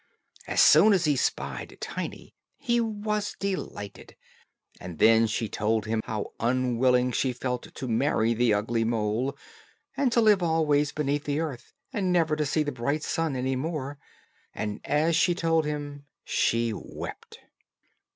As soon as he spied Tiny, he was delighted; and then she told him how unwilling she felt to marry the ugly mole, and to live always beneath the earth, and never to see the bright sun any more. And as she told him she wept.